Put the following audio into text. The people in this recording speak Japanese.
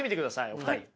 お二人。